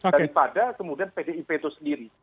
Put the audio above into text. daripada kemudian pdip itu sendiri